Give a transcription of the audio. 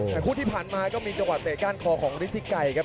แต่คู่ที่ผ่านมาก็มีจังหวะเตะก้านคอของฤทธิไกรครับ